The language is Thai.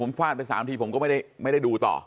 ฟาดไป๓ทีผมก็ไม่ได้ดูต่อ